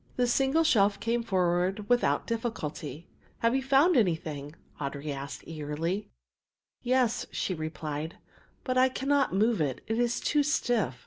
The single shelf came forward without difficulty. "Have you found anything?" Audry asked eagerly. "Yes," she replied, "but I cannot move it; it is too stiff."